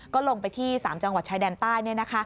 ก็ลงไปที่๓จังหวัดชายแดนใต้